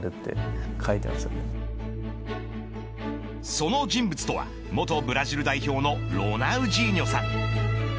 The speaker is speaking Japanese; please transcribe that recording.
その人物とは元ブラジル代表のロナウジーニョさん。